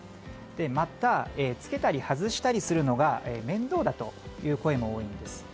また、着けたり外したりするのが面倒だという声も多いようです。